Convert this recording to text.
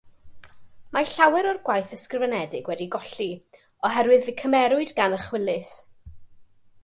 Mae llawer o'r gwaith ysgrifenedig wedi ei golli, oherwydd fe'u cymerwyd gan y Chwilys.